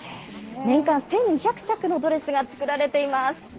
年間１２００着のドレスが作られています。